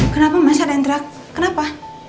kenapa masih ada yang terak kenapa